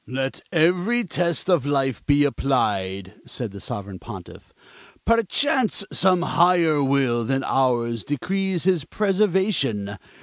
"Let every test of life be applied," said the Sovereign Pontiff. "Perchance some higher will than ours decrees his preservation.